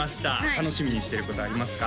楽しみにしてることありますか？